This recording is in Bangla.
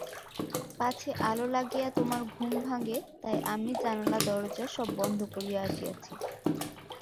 পাছে আলো লাগিয়া তোমার ঘুম ভাঙে তাই আমি জানালা-দরজা সব বন্ধ করিয়া আসিয়াছি।